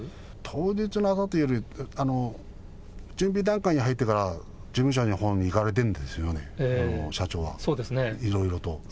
当日の朝というより、準備段階に入ってから事務所のほうに行かれてるんですよね、社長は、いろいろと。